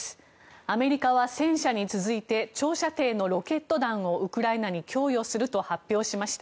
アメリカは戦車に続いて長射程のロケット弾をウクライナに供与すると発表しました。